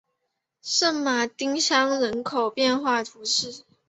圣马丁乡人口变化图示